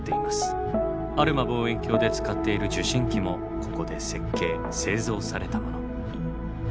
アルマ望遠鏡で使っている受信機もここで設計製造されたもの。